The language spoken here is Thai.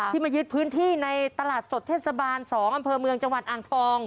มายึดพื้นที่ในตลาดสดเทศบาล๒อำเภอเมืองจังหวัดอ่างทอง